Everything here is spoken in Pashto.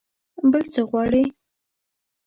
بل څه غواړئ؟